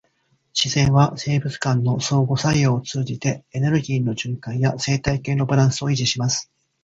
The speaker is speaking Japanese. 自然は生物間の相互作用を通じて、エネルギーの循環や生態系のバランスを維持します。